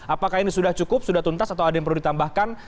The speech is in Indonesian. apakah ini sudah cukup sudah tuntas atau ada yang perlu ditambahkan